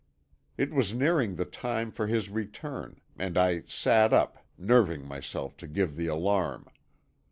It was nearing the time for his return, and I sat up, nerving myself to give the alarm.